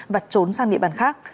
và trốn sang địa bàn khác